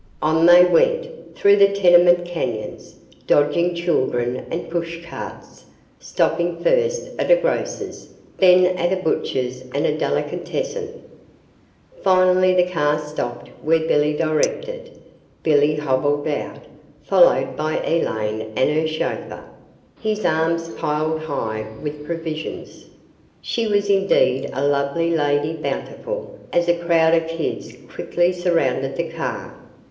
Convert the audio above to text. On they went, through the tenement canyons, dodging children and pushcarts, stopping first at a grocer's, then at a butcher's and a delicatessen. Finally the car stopped where Billy directed. Billy hobbled out, followed by Elaine and her chauffeur, his arms piled high with provisions. She was indeed a lovely Lady Bountiful as a crowd of kids quickly surrounded the car.